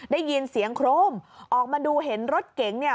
ได้ยินเสียงโครมออกมาดูเห็นรถเก๋งเนี่ย